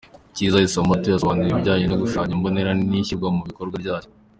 Kizo Hisamoto yasobanuriwe ibijyanye n’igishushanyo mbonera n’ishyirwa mu bikorwa ryacyo.